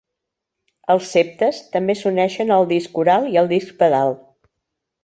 Els septes també s'uneixen al disc oral i al disc pedal.